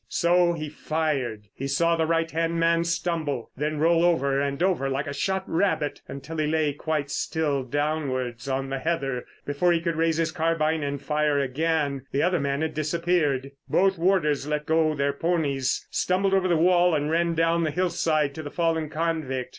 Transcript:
So he fired. He saw the right hand man stumble, then roll over and over like a shot rabbit until he lay quite still face downwards on the heather. Before he could raise his carbine and fire again the other man had disappeared. Both warders let go their ponies, stumbled over the wall and ran down the hill side to the fallen convict.